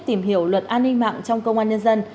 tìm hiểu luật an ninh mạng trong công an nhân dân